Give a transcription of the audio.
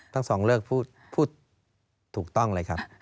ทั้งสองเลิกพูดถูกต้องเลยครับ